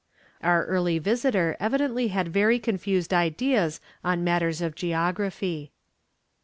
Our early visitor evidently had very confused ideas on matters of geography.